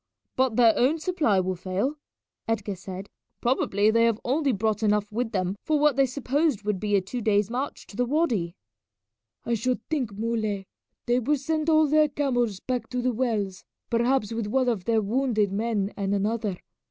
"But their own supply will fail," Edgar said. "Probably they have only brought enough with them for what they supposed would be a two days' march to the wady." "I should think, Muley, they will send all their camels back to the wells, perhaps with one of their wounded men and another.